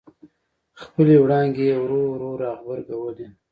خپلې وړانګې یې ورو ورو را غبرګولې.